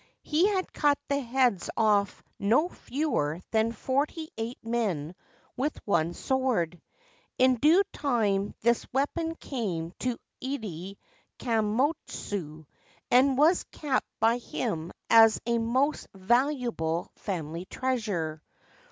He had cut the heads off no fewer than forty eight men with one sword. In due time this weapon came to Ide Kammotsu, and was kept by him as a most valuable family treasure.